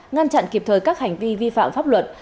ngăn chặn kịp thời các hành vi vi phạm pháp luật